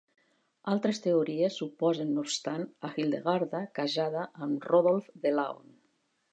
Altres teories suposen no obstant a Hildegarda casada amb Rodolf de Laon.